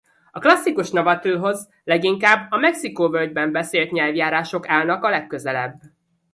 A klasszikus navatlhoz leginkább a Mexikó-völgyben beszélt nyelvjárások állnak a legközelebb.